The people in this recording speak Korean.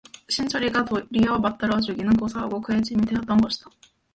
신철이가 도리어 맞 들어주기는 고사하고 그의 짐이 되었던 것이다.